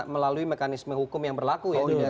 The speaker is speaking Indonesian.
melalui mekanisme hukum yang berlaku ya